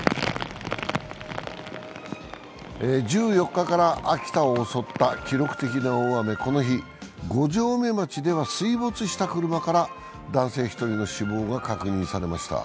１４日から秋田を襲った記録的な大雨、この日、五城目町では水没した車から男性１人の死亡が確認されました。